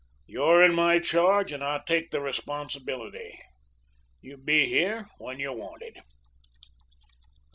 You're in my charge, and I take the responsibility. You be here when you're wanted.'